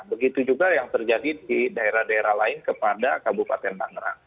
begitu juga yang terjadi di daerah daerah lain kepada kabupaten tangerang